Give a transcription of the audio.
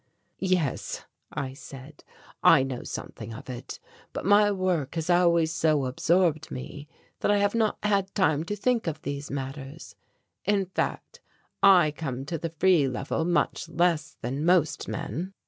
"Yes," I said, "I know something of it; but my work has always so absorbed me that I have not had time to think of these matters. In fact, I come to the Free Level much less than most men."